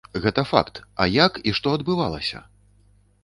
Гэта факт, а як і што адбывалася?